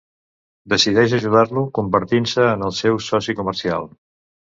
Decideix ajudar-lo convertint-se en el seu soci comercial.